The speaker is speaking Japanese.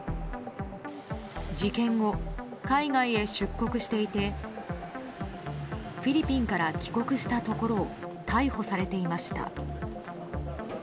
事件後、海外へ出国していてフィリピンから帰国したところを逮捕されていました。